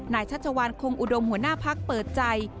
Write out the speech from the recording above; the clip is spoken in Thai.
ชัชวานคงอุดมหัวหน้าพักเปิดใจ